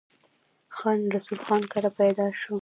خان رسول خان کره پيدا شو ۔